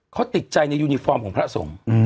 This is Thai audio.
เขาติดใจในยูนิฟอร์มของพระสงฆ์